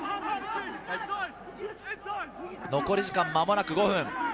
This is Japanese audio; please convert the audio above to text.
残り時間、間もなく５分。